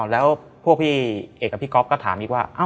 แล้วพวกพี่เอกกับพี่ก๊อฟก็ถามอีกว่า